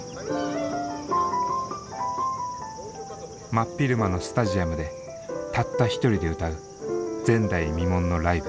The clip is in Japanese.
真っ昼間のスタジアムでたった１人で歌う前代未聞のライブ。